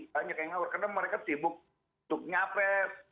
hanya kaya mengawur karena mereka sibuk untuk nyapes